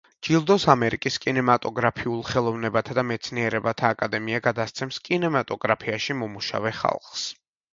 ჯილდოს ამერიკის კინემატოგრაფიულ ხელოვნებათა და მეცნიერებათა აკადემია გადასცემს კინემატოგრაფიაში მომუშავე ხალხს.